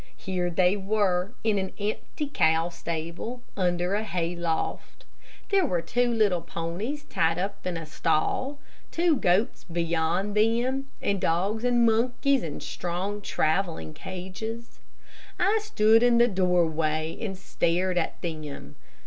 Here they were, in an empty cow stable, under a hay loft. There were two little ponies tied up in a stall, two goats beyond them, and dogs and monkeys in strong traveling cages. I stood in the doorway and stared at them.